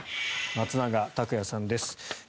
松永拓也さんです。